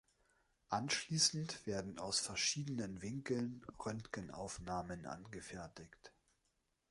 Anschließend werden aus verschiedenen Winkeln Röntgenaufnahmen angefertigt.